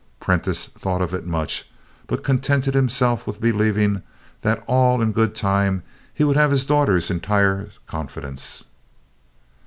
Prentiss thought of it much, but contented himself with believing that all in good time he would have his daughter's entire confidence.